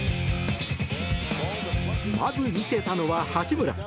まず、見せたのは八村。